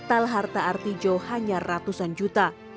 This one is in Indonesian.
artijo hanya ratusan juta